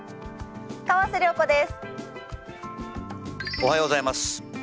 おはようございます。